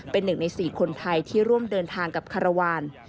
เป็นหนึ่งใน๔คนไทยที่ร่วมเดินทางกับคารวาล